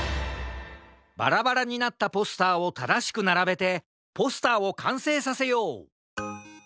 バラバラになったポスターをただしくならべてポスターをかんせいさせよう！